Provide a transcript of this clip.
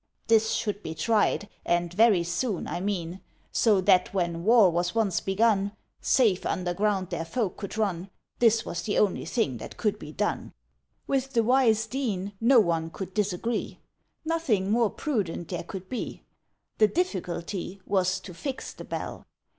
"This should be tried, and very soon, I mean; So that when war was once begun, Safe underground their folk could run, This was the only thing that could be done." With the wise Dean no one could disagree; Nothing more prudent there could be: The difficulty was to fix the bell!